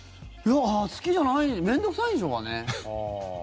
好きじゃない面倒臭いんでしょうかね。